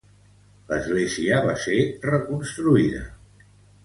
L'església va ser reconstruïda.